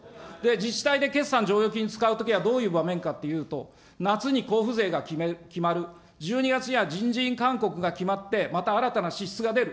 自治体で決算剰余金使うときにはどういう場面かというと、夏に交付税が決まる、１２月には人事院勧告が決まって、また新たな支出が出る。